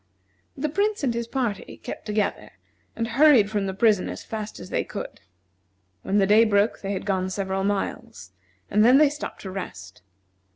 The Prince and his party kept together, and hurried from the prison as fast as they could. When the day broke they had gone several miles, and then they stopped to rest.